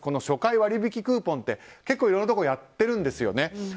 初回割引クーポンって結構、いろんなところでやってるんですよね。